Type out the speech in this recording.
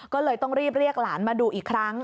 ก็เลยต้องรีบเรียกหลานมาดูอีกครั้ง